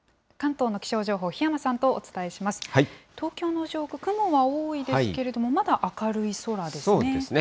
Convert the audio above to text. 東京の上空、雲は多いですけれども、まだ明るい空ですね。